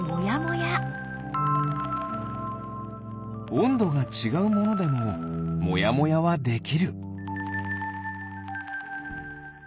おんどがちがうものでももやもやはできる。